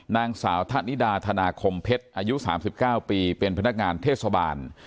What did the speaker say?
นางสาวธนิดาธนาคมเพชรอายุ๓๙ปีเป็นพนักงานเทศบาล